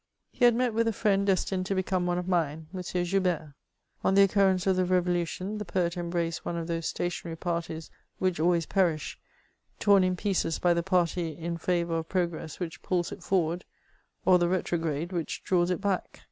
He had met wi^ a friend destined to become one of mine — M. Joubert. On the oocur renoe of the Revolution, the poet embraced one of those sta tionary parties, which always perish, torn in pieces by the party in favour of progress which pulls it forward, or the retrograde which draws it back.